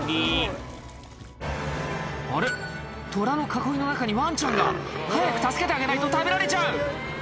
トラの囲いの中にワンちゃんが早く助けてあげないと食べられちゃう！